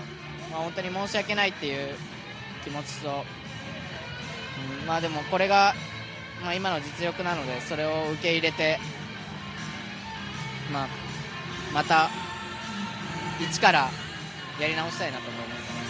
本当に申し訳ないという気持ちとでも、これが今の実力なのでそれを受け入れて、また一からやり直したいなと思います。